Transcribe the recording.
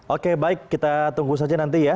oke baik kita tunggu saja nanti ya